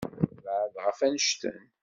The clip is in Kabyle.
Beεεed ɣef annect-en.